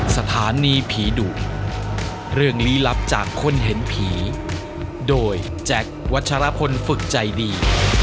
สถานีผีดุเรื่องลี้ลับจากคนเห็นผีโดยแจ็ควัชรพลฝึกใจดี